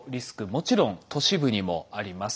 もちろん都市部にもあります。